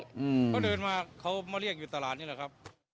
เขาเดินมาเขามาเรียกอยู่ตลาดนี้แหละครับ